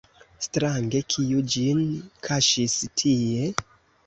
Strange, kiu ĝin kaŝis tie?